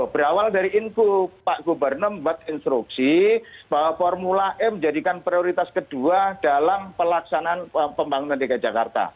berawal dari info pak gubernur membuat instruksi bahwa formula e menjadikan prioritas kedua dalam pelaksanaan pembangunan dki jakarta